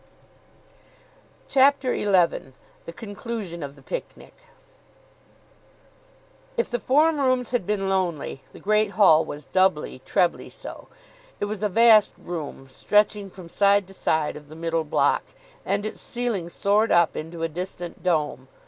CHAPTER XI THE CONCLUSION OF THE PICNIC If the form rooms had been lonely, the Great Hall was doubly, trebly, so. It was a vast room, stretching from side to side of the middle block, and its ceiling soared up into a distant dome.